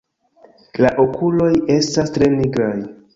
La okuloj estas tre nigraj.